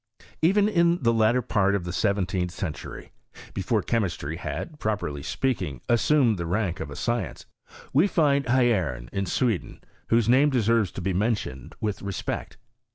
Even in the latter part of the seventeenth century, before chemistry had, properly speakingi assumed the rank of a science, we find Hierne in Sweden, whose name deserves to be mentioned with respect.